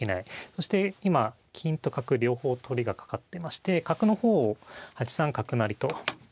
そして今金と角両方取りがかかってまして角の方を８三角成と助けてもですね